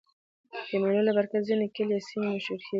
د مېلو له برکته ځيني کلي یا سیمې مشهوره کېږي.